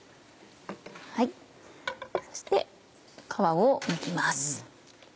そして皮をむきます。